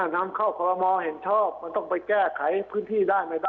นำเข้าคอลโมเห็นชอบมันต้องไปแก้ไขพื้นที่ได้ไหมล่ะ